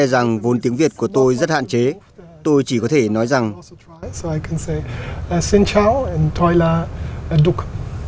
xin chào và tôi là duc